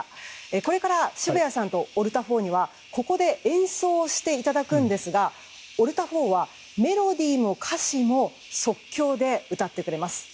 これから渋谷さんとオルタ４にはここで演奏をしていただくんですがオルタ４はメロディーも歌詞も即興で歌ってくれます。